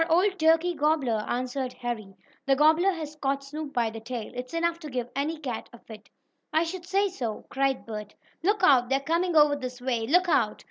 "Our old turkey gobbler," answered Harry. "The gobbler has caught Snoop by the tail. It's enough to give any cat a fit." "I should say so!" cried Bert. "Look out! They're coming over this way! Look out!"